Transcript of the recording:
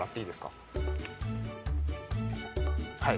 はい。